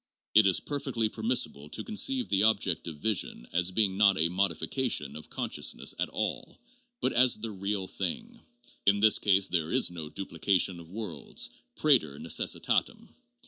It is perfectly permissible to conceive the object of vision as being not a 'modification of consciousness' at all, but as the real thing; in this case there is no duplication of worlds prater necessitatem.